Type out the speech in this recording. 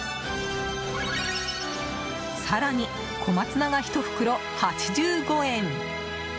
更に、小松菜が１袋、８５円。